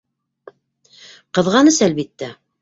Ҡыҙғаныс, әлбиттә...